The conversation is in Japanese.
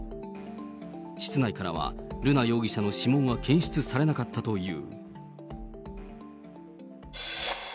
室内からは、瑠奈容疑者の指紋は検出されなかったという。